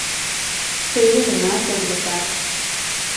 Sayılı günler tez geçer.